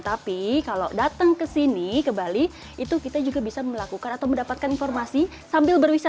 tapi kalau datang ke sini ke bali itu kita juga bisa melakukan atau mendapatkan informasi sambil berwisata